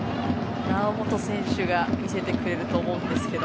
猶本選手が見せてくれると思うんですが。